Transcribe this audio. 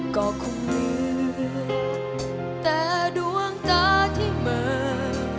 ก็คงเหลือแต่ดวงตาที่เหมือน